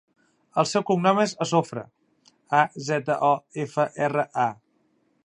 El seu cognom és Azofra: a, zeta, o, efa, erra, a.